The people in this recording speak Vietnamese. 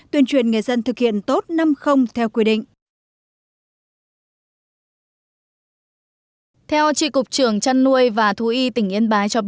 tuyên truyền nghề dân thực hiện tốt năm theo quy định